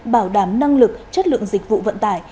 bảo đảm năng lực chất lượng dịch vụ vận tải